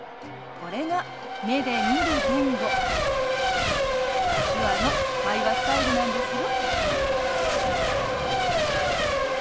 これが目で見る言語手話の会話スタイルなんですよ。